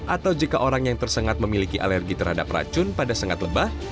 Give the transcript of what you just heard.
atau jika orang yang tersengat memiliki alergi terhadap racun pada sengat lebah